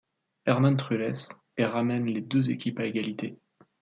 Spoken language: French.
Hermann Trulès et ramène les deux équipes à égalité.